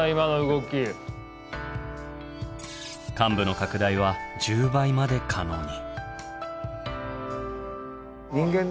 患部の拡大は１０倍まで可能に。